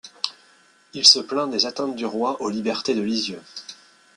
Il se plaint des atteintes du roi aux Libertés de Lisieux.